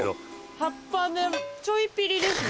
葉っぱでちょいピリですね。